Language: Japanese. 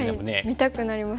見たくなります。